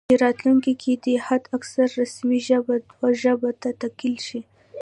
چې راتلونکي کې دې حد اکثر رسمي ژبې دوه ژبو ته تقلیل شي